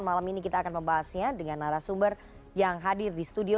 malam ini kita akan membahasnya dengan narasumber yang hadir di studio